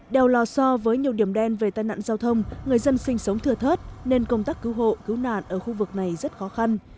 đèo lò so với nhiều điểm đen về tai nạn giao thông người dân sinh sống thừa thớt nên công tác cứu hộ cứu nạn ở khu vực này rất khó khăn